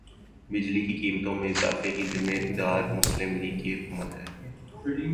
بجلی کی قیمتوں میں اضافے کی ذمہ دار مسلم لیگ کی حکومت ہے